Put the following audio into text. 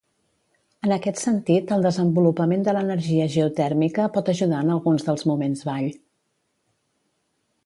En aquest sentit el desenvolupament de l'energia geotèrmica pot ajudar en alguns dels moments vall.